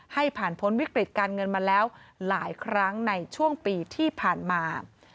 ให้ผ่านพ้นวิกฤตการเงินมาแล้วหลายครั้งในช่วงปีที่ผ่านมา